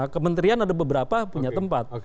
kementerian ada beberapa punya tempat